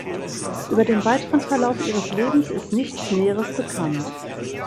Über den weiteren Verlauf ihres Lebens ist nichts Näheres bekannt.